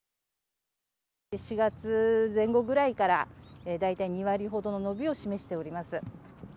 ４月前後ぐらいから、大体２割ほどの伸びを示しております。